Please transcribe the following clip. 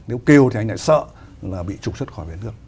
nếu kêu thì anh lại sợ là bị trục xuất khỏi về nước